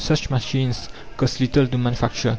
Such machines cost little to manufacture.